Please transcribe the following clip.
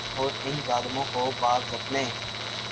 اور ان ظالموں کو باز رکھنے